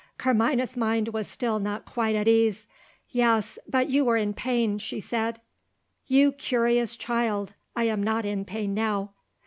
Carmina's mind was still not quite at ease. "Yes but you were in pain," she said. "You curious child! I am not in pain now."